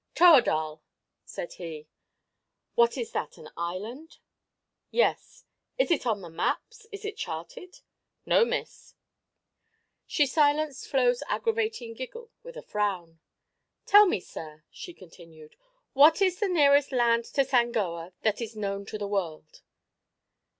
"Toerdal," said he. "What is that, an island?" "Yes." "Is it on the maps? Is it charted?" "No, Miss." She silenced Flo's aggravating giggle with a frown. "Tell me, sir," she continued, "what is the nearest land to Sangoa that is known to the world?"